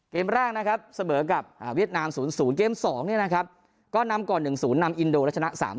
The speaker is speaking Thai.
เกมแรกเสมอกับเวียดนาม๐๐เกม๒ก็นำก่อน๑๐นำอีนโดและชนะ๓๐